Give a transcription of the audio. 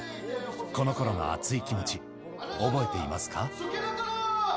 このころの熱い気持ち、覚えていますか？